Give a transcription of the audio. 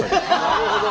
なるほど。